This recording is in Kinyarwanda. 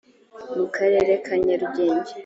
mu karere ka nyarugenge